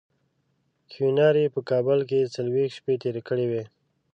کیوناري په کابل کې څلوېښت شپې تېرې کړې وې.